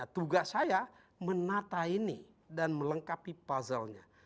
tugas saya menata ini dan melengkapi puzzlenya